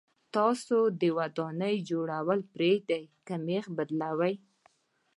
تاسو د ودانۍ جوړول پرېږدئ که مېخ بدلوئ.